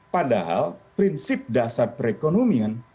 padahal prinsip dasar perekonomian